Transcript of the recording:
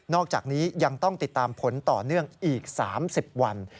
อกจากนี้ยังต้องติดตามผลต่อเนื่องอีก๓๐วัน